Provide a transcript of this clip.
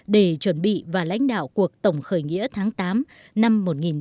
để chuẩn bị và lãnh đạo cuộc tổng khởi nghĩa tháng tám năm một nghìn chín trăm bảy mươi năm